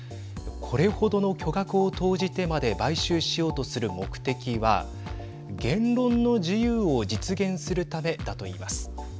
これほどの巨額を投じてまで買収しようとする目的は言論の自由を実現するためだといいます。